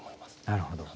なるほど。